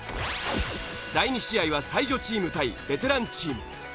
第２試合は才女チーム対ベテランチーム。